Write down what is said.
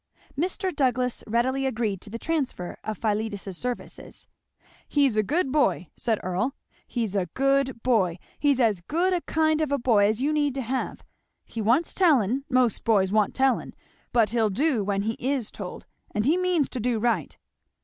Mr. Douglass readily agreed to the transfer of Philetus's services. "He's a good boy!" said Earl, "he's a good boy; he's as good a kind of a boy as you need to have. He wants tellin'; most boys want tellin'; but he'll do when he is told, and he means to do right."